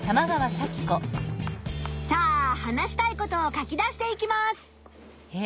さあ話したいことを書き出していきます。